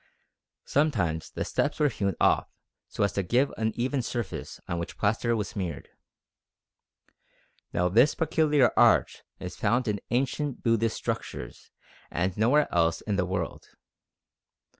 Sometimes the steps were hewn off so as to give an even surface on which plaster was smeared. Now this peculiar arch is found in ancient Buddhist structures and nowhere else in the world.